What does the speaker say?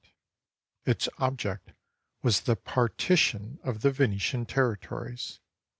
Its object was the par tition of the Venetian territories.